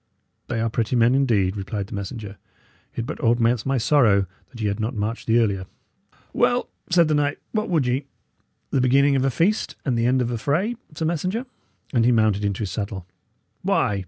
"They are pretty men, indeed," replied the messenger. "It but augments my sorrow that ye had not marched the earlier." "Well," said the knight, "what would ye? The beginning of a feast and the end of a fray, sir messenger;" and he mounted into his saddle. "Why!